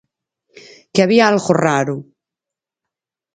Que había algo raro.